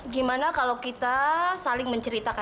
gimana kalau kita saling menceritakan